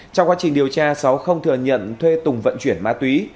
trong quá trình điều tra sáu không thừa nhận thuê tùng vận chuyển ma túy